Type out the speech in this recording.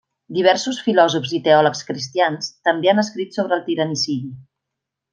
Diversos filòsofs i teòlegs cristians també han escrit sobre el tiranicidi.